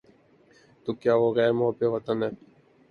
تو کیا وہ غیر محب وطن ہے؟